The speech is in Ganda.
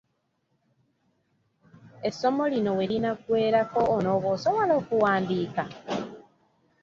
Essomo lino we linaggweerako onooba osobola okuwandiika?